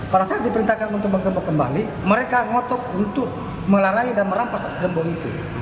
pada saat diperintahkan untuk berkembang kembali mereka ngotok untuk melarangi dan merampas gembong itu